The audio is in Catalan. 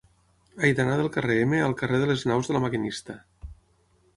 He d'anar del carrer Ema al carrer de les Naus de La Maquinista.